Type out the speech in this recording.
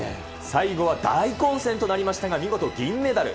最後は大混戦となりましたが、見事、銀メダル。